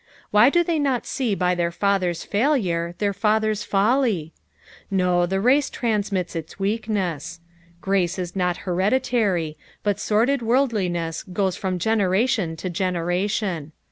Why do they not see by their fathers' failure their fathers' tolly? No, the race transmits its weakness. Grace is not hereditary, but sordid worldliness goes from generation to generation.